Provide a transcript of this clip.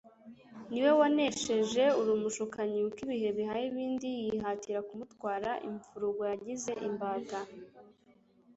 Ni we wanesheje urumshukanyi, uko ibihe bihaye ibindi yihatira kumutwara imfurugwa yagize imbata,